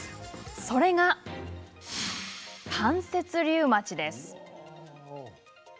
それが、関節リウマチです。